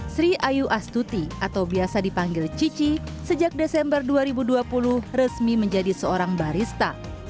sri ayu astuti atau biasa dipanggil cici sejak desember dua ribu dua puluh resmi menjadi seorang barista